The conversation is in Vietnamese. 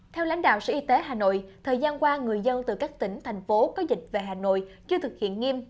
theo lãnh đạo sở y tế hà nội thời gian qua người dân từ các tỉnh thành phố có dịch về hà nội chưa thực hiện nghiêm